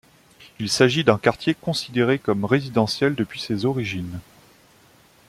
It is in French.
Il s'agit d'un quartier considéré comme résidentiel depuis ses origines.